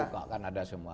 kalau bukan ada semua